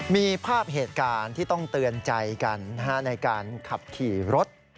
มีภาพเหตุการณ์ที่ต้องเตือนใจกันในการขับขี่รถ